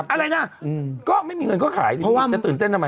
อะไรนะก็ไม่มีเงินก็ขายดีจะตื่นเต้นทำไม